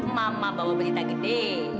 mama bawa berita gede